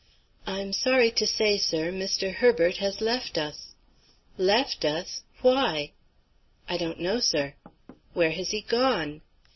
"I'm sorry to say, sir, Mr. Herbert has left us." "Left us! Why?" "I don't know, sir." "Where has he gone?"